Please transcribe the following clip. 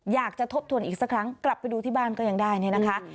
อยากจะทบทวนอีกสักครั้งกลับไปดูที่บ้านก็ยังได้เนี่ยนะคะ